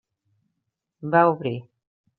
Va obrir.